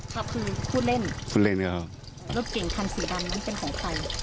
จะพูดเล่นมาถึงเป็นใคร